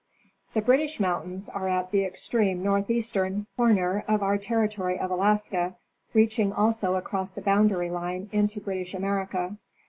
The British mountains are at the extreme northeastern 188 National Geographic Magazine. corner of our territory of Alaska, reaching also across the boun dary line into British America.